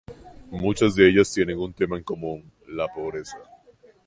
Muchas de ellas tienen un tema común: la pobreza.